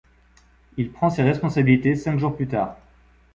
Il prend ses responsabilités cinq jours plus tard.